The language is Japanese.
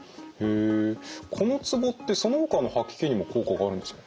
このツボってそのほかの吐き気にも効果があるんですか？